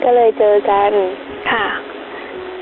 ก็เลยเจอจันทร์